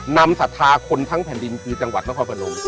ศรัทธาคนทั้งแผ่นดินคือจังหวัดนครพนม